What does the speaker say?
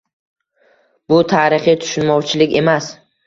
Bu tarixiy tushunmovchilik emas